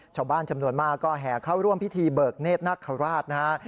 ชาวบ้านจำนวนมากก็แห่เข้าร่วมพิธีเบิกเนธนคราชนะฮะ